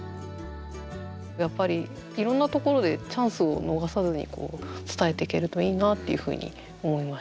やっぱりいろんなところでチャンスを逃さずに伝えていけるといいなっていうふうに思いました。